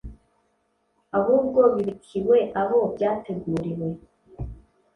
ahubwo bibikiwe abo byateguriwe.»